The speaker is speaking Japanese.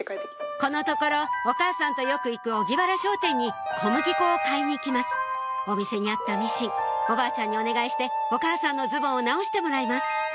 このところお母さんとよく行く荻原商店に小麦粉を買いに行きますお店にあったミシンおばあちゃんにお願いしてお母さんのズボンを直してもらいます